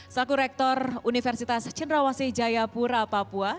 selaku rektor universitas cenrawasih jayapura papua